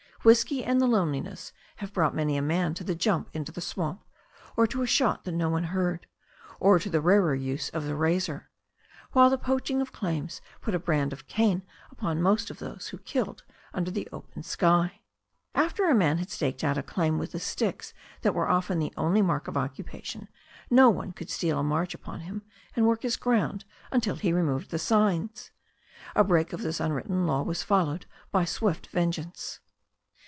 Whisky and the loneliness have brought many a man to the jump into a swamp, or to a shot that no one heard, or to the rarer use of a razor, while the poaching of claims put the brand of Cain upon most of those who killed under the open sky. After a man had staked out a claim with the sticks that were often the only mark of occupation, no one could steal a march upon him and work his ground until he removed the signs. A break of this unwritten law was followed by swift vengeance.